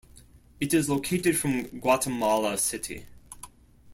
It is located from Guatemala City.